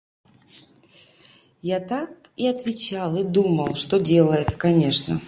Я так и отвечал и думал, что дело это кончено.